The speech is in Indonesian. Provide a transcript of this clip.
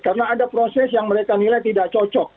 karena ada proses yang mereka nilai tidak cocok